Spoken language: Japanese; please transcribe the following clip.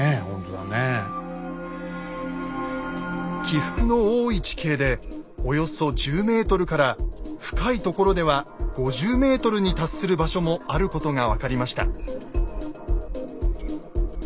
起伏の多い地形でおよそ１０ｍから深いところでは５０ｍに達する場所もあることが分かりました。